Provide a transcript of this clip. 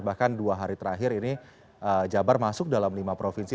bahkan dua hari terakhir ini jabar masuk dalam lima provinsi